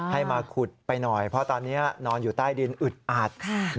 ให้มาขุดไปหน่อยเพราะตอนนี้นอนอยู่ใต้ดินอึดอัด